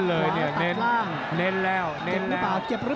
เน้นเลยน่ารักมากครับแดงว่าวันนี้หมดยกที่๒